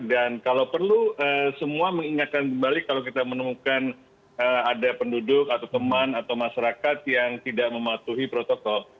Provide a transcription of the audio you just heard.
dan kalau perlu semua mengingatkan kembali kalau kita menemukan ada penduduk atau teman atau masyarakat yang tidak mematuhi protokol